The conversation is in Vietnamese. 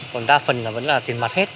còn đa phần là vẫn là tiền mặt hết